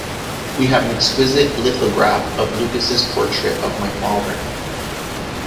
We have an exquisite lithograph of Lucas's portrait of my father.